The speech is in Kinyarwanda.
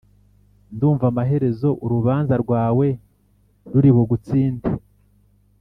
Ndumva amaherezo urubanza rwawe ruri bugutsinde.